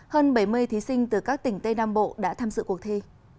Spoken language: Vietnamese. hơn bảy mươi thí sinh từ các tỉnh tây nam bộ đã tham dự cuộc thi